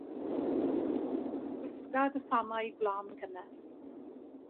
Gwisga dy sanau gwlân cynnes.